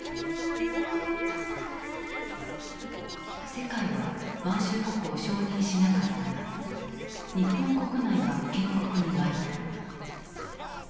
世界は満州国を承認しなかったが日本国内は建国に沸いた。